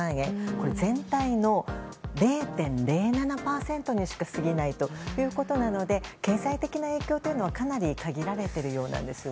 これは全体の０．０７％にしかすぎないということなので経済的な影響というのはかなり限られているようなんです。